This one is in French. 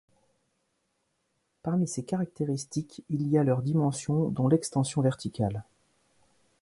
Parmi ces caractéristiques, il y a leurs dimensions dont l'extension verticale.